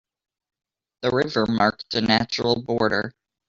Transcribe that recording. The river marked a natural border.